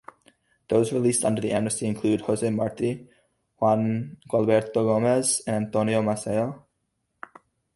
Those released under the amnesty included Jose Marti, Juan Gualberto Gomez, and Antonio Maceo.